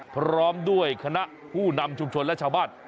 พร้อมด้วยคณะผู้นำชุมชนและชาวบ้าน